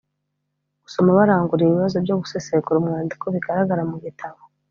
Gusoma baranguruye ibibazo byo gusesengura umwandiko bigaragara mu gitabo